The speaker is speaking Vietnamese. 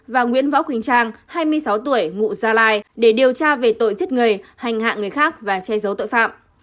và nguyễn võ quỳnh trang hai mươi sáu tuổi ngụ gia lai để điều tra về tội giết người hành hạ người khác và che giấu tội phạm